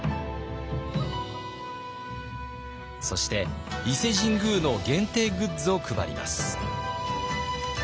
そして伊勢神宮の限定グッズを配ります。